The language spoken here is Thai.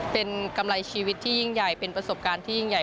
เป็นกำไรชีวิตที่ยิ่งใหญ่เป็นประสบการณ์ที่ยิ่งใหญ่